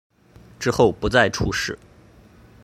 之后不再出仕。